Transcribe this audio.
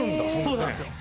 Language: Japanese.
そうなんですよ。